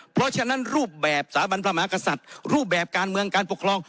เพราะฉะนั้นรูปแบบสาบันพระมหากษัตริย์รูปแบบการเมืองการปกครอง